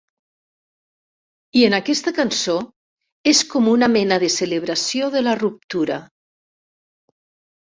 I en aquesta cançó, és com una mena de celebració de la ruptura...